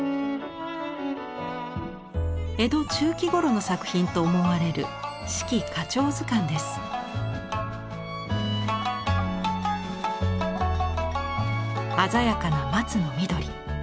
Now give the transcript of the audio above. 江戸中期ごろの作品と思われる鮮やかな松の緑。